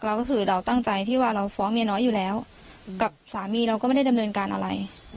เราก็คือเราตั้งใจที่ว่าเราฟ้องเมียน้อยอยู่แล้วกับสามีเราก็ไม่ได้ดำเนินการอะไร